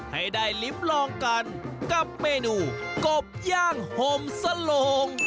ให้ได้ลิ้มลองกันกับเมนูกบย่างห่มสโลง